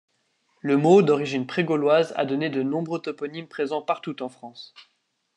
Le mot, d'origine prégauloise, a donné de nombreux toponymes présents partout en France.